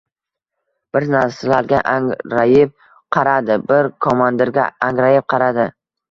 Bir narsalarga ang-rayib qaradi, bir komandirga angrayib qaradi.